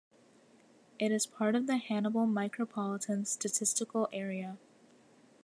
It is part of the Hannibal Micropolitan Statistical Area.